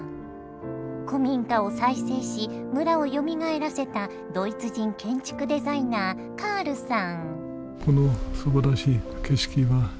古民家を再生し村をよみがえらせたドイツ人建築デザイナーカールさん。